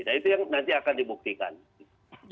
nah itu yang nanti akan dibuktikan